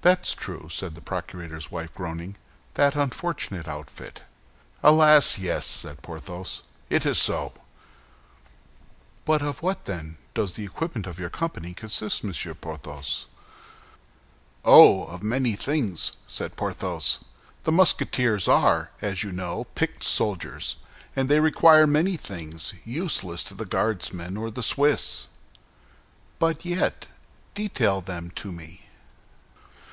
"That's true," said the procurator's wife, groaning, "that unfortunate outfit!" "Alas, yes," said Porthos, "it is so." "But of what, then, does the equipment of your company consist, Monsieur Porthos?" "Oh, of many things!" said Porthos. "The Musketeers are, as you know, picked soldiers, and they require many things useless to the Guardsmen or the Swiss." "But yet, detail them to me."